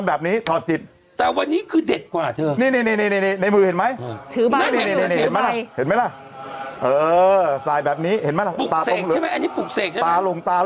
อันนี้เป็นการสื่อสาร